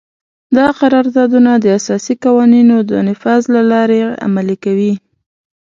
دا قراردادونه د اساسي قوانینو د نفاذ له لارې عملي کوي.